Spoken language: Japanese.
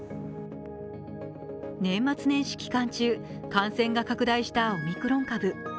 年末年始期間中、感染が拡大したオミクロン株。